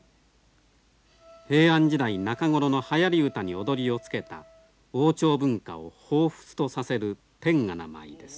平安時代中頃のはやり歌に踊りをつけた王朝文化を彷彿とさせる典雅な舞です。